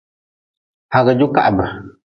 Hagjujkahbe.